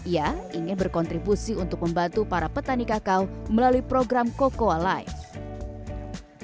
ia ingin berkontribusi untuk membantu para petani kakao melalui program cocoa life